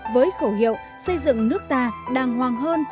với khẩu hiệu xây dựng nước ta đàng hoàng hơn